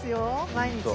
毎日。